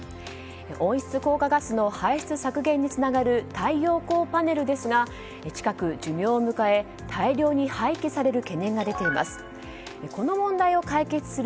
温室効果ガスの排出削減につながる太陽光パネルですが近く、寿命を迎え大量に廃棄される懸念が出ています。